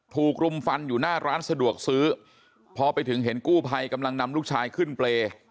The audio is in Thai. รุมฟันอยู่หน้าร้านสะดวกซื้อพอไปถึงเห็นกู้ภัยกำลังนำลูกชายขึ้นเปรย์